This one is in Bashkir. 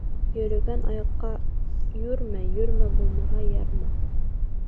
Йөрөгән аяҡҡа йүрмә, йүрмә булмаһа, ярма.